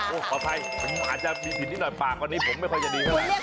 โอ้ขอภัยคุณมาอาจจะผิดนิดหน่อยปากกว่าอันนี้ผมไม่พออยากจะดี